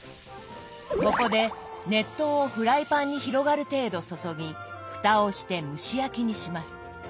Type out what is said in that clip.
ここで熱湯をフライパンに広がる程度注ぎふたをして蒸し焼きにします。